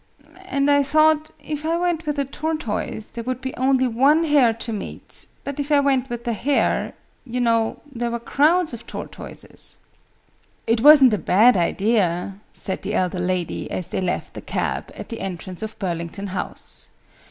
"And I thought, if I went with a tortoise, there would be only one hare to meet: but if I went with the hare you know there were crowds of tortoises!" "It wasn't a bad idea," said the elder lady, as they left the cab, at the entrance of Burlington House.